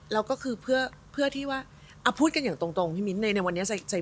แล้วก็คือเพื่อที่ว่าพูดกันอย่างตรงพี่มิ้นในวันนี้